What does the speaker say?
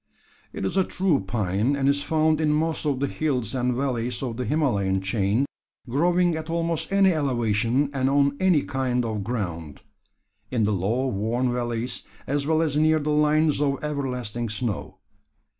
It is a true pine and is found in most of the hills and valleys of the Himalayan chain, growing at almost any elevation and on any kind of ground in the low warm valleys, as well as near the line of everlasting snow.